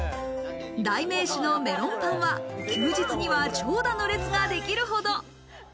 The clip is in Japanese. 代名詞のメロンパンは休日には長蛇の列ができるほど。